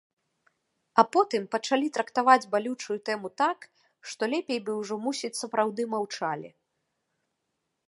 А потым пачалі трактаваць балючую тэму так, што лепей бы ўжо, мусіць, сапраўды маўчалі.